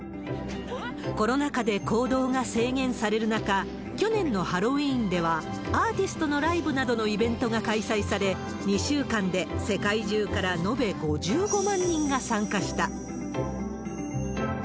コロナ禍で行動が制限される中、去年のハロウィーンではアーティストのライブなどのイベントが開催され、２週間で世界中から延べ５５万人が参加した。